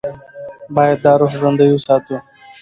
باید دا روح ژوندۍ وساتو.